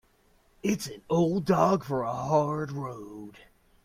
It's an old dog for a hard road.